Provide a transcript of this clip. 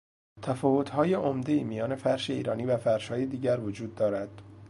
تفاوتهای عمدهای میان فرش ایرانی و فرشهای دیگر وجود دارد.